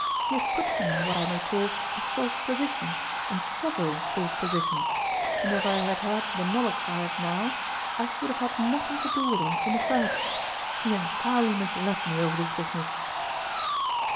He has put me in what I may call a false position, in several false positions ; and if I had had the knowl edge I have now, I should have had nothing to do with him from the first. He entirely misled me over this business